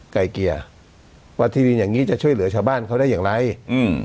ไกลเกลี่ยว่าที่ดินอย่างงี้จะช่วยเหลือชาวบ้านเขาได้อย่างไรอืม